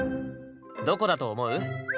どこだと思う？